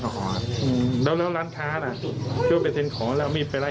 พอตำรวจขอตรวจปัสสาวะรีบปฏิเสธเสียงออยทันทีบอกคุณตำรวจผมทำไม